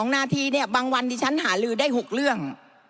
๒นาทีเนี่ยบางวันที่ฉันหาลือได้๖เรื่อง